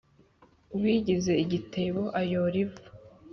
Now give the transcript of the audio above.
Uwigize igitebo ayora ivu.